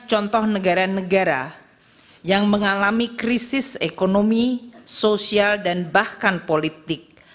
contoh negara negara yang mengalami krisis ekonomi sosial dan bahkan politik